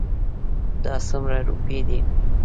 دا څومره روپی دي؟